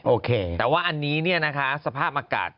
โอเคแต่ว่าอันนี้เนี่ยนะคะสภาพอากาศ